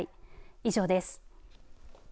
以上です。